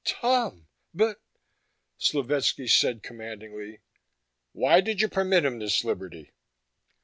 "Tom! But " Slovetski said commandingly, "Why did you permit him his liberty?"